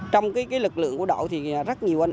trong lực lượng của đội thì rất nhiều anh